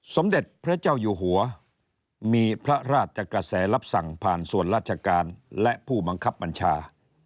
สมเด็จพระเจ้าอยู่หัวมีพระราชกระแสรับสั่งผ่านส่วนราชการและผู้บังคับบัญชา